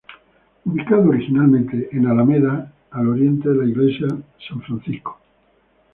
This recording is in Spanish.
Ubicado originalmente en Alameda, al oriente de la Iglesia San Francisco.